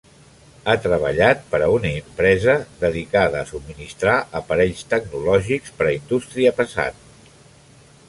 Ha treballat per a una empresa dedicada a subministrar aparells tecnològics per a indústria pesant.